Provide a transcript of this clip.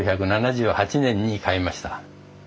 １９７８年に買いました。